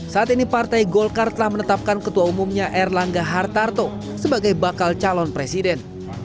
saat ini partai golkar telah menetapkan ketua umumnya erlangga hartarto sebagai bakal calon presiden